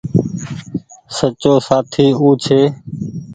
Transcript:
سچو سآٿي او ڇي